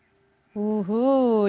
dan juga di jawa